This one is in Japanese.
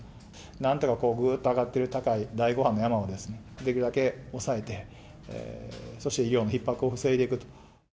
なんとかぐーっと上がってる高い第５波の山をできるだけ抑えて、そして医療のひっ迫を防いでいくと。